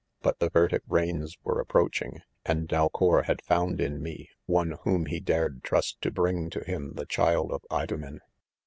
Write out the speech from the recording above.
■ But the vertlc rains were approaching ; and Dalcour.had found in. me, one. whom he dared trust to bring to him the child of Idomen.